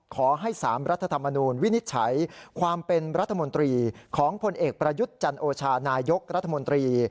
ขอให้๓รัฐธรรมนูลวินิจฉัยความเป็นรัฐมนตรีของพลเอกประยุทธ์จันโอชานายกรัฐมนตรี